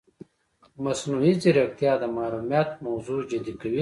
مصنوعي ځیرکتیا د محرمیت موضوع جدي کوي.